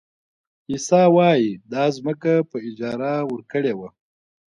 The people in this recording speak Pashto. عیسی وایي دا ځمکه په اجاره ورکړې وه.